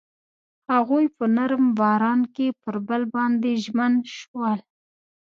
هغوی په نرم باران کې پر بل باندې ژمن شول.